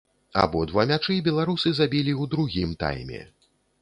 Абодва мячы беларусы забілі ў другім тайме.